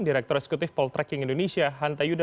direktur eksekutif poltrekking indonesia hanta yudha